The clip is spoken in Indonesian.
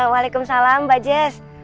waalaikumsalam mbak jess